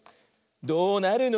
「どうなるの？